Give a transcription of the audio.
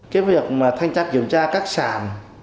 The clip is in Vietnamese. cái việc mà thanh chắc kiểm tra các sản